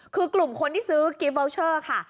คือกลุ่มคนที่ซื้อกิฟต์วอลเชอร์ค่ะ